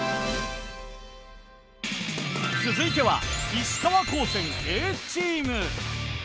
続いては石川高専Ａチーム。